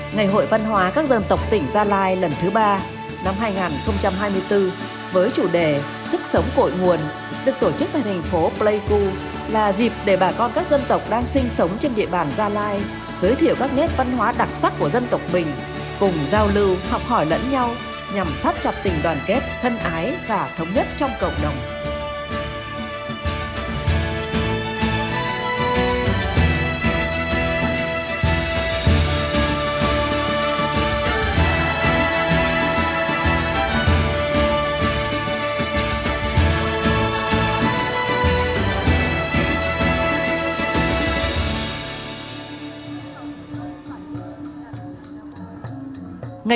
ngày hội văn hóa các dân tộc tỉnh gia lai lần thứ ba năm hai nghìn hai mươi bốn với chủ đề sức sống cội nguồn được tổ chức tại thành phố pleiku là dịp để bà con các dân tộc đang sinh sống trên địa bàn gia lai giới thiệu các nét văn hóa đặc sắc của dân tộc bình cùng giao lưu học hỏi lẫn nhau nhằm phát trật tình đoàn kết thân ái và thống nhất trong cộng đồng